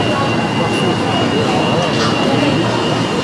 Maɣef ur teḥdiṛed ara deg temlilit?